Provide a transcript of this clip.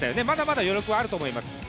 まだまだ余力はあると思います。